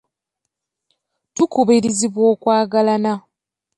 Tukubirizibwa okwagalana.